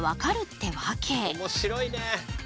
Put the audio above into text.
面白いね。